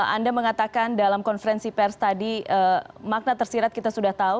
anda mengatakan dalam konferensi pers tadi makna tersirat kita sudah tahu